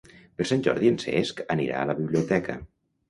Per Sant Jordi en Cesc anirà a la biblioteca.